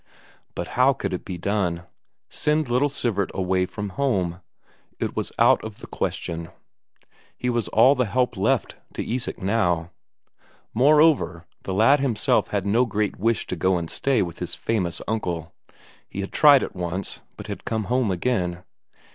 But how could it be done? Send little Sivert away from home? it was out of the question. He was all the help left to Isak now. Moreover, the lad himself had no great wish to go and stay with his famous uncle; he had tried it once, but had come home again.